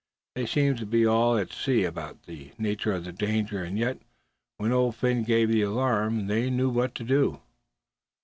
They seemed to be all at sea about the nature of the danger, and yet when Old Phin gave the alarm, they knew what they had to do."